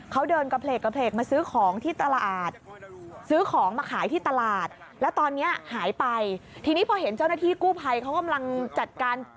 เขาเดินกระเพล็กมาซื้อของที่ตลาด